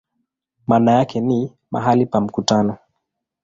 Maana yake ni "mahali pa mkutano".